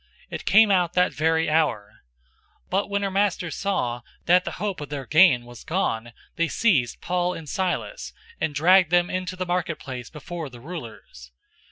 It came out that very hour. 016:019 But when her masters saw that the hope of their gain was gone, they seized Paul and Silas, and dragged them into the marketplace before the rulers.